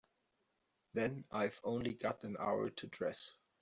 Then I've only got an hour to dress.